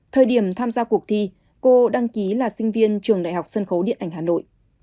thời điểm tham gia cuộc thi cô đăng ký là sinh viên trường đại học sân khấu điện ảnh hà nội